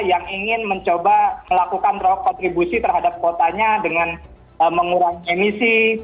yang ingin mencoba melakukan kontribusi terhadap kotanya dengan mengurangi emisi